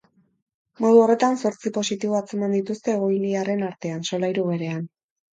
Modu horretan, zortzi positibo atzeman dituzte egoiliarren artean, solairu berean.